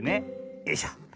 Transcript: よいしょ。